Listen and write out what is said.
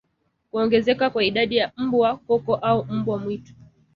Kuongezeka kwa idadi ya mbwa koko au mbwa mwitu